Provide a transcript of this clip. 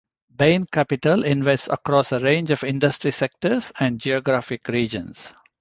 Bain Capital invests across a range of industry sectors and geographic regions.